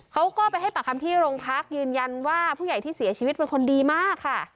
เขาก็ไปให้ปากคำที่โรงพักยืนยันว่าผู้ใหญ่ที่เสียชีวิตเป็นคนดีมากค่ะ